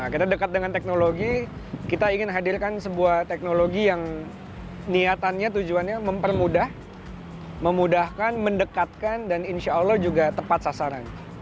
kita dekat dengan teknologi kita ingin hadirkan sebuah teknologi yang niatannya tujuannya mempermudah memudahkan mendekatkan dan insya allah juga tepat sasaran